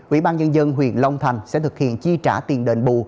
ủy ban nhân dân huyện long thành sẽ thực hiện chi trả tiền đền bù